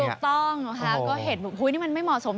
ถูกต้องนะคะก็เห็นนี่มันไม่เหมาะสม